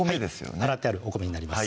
はい洗ってあるお米になります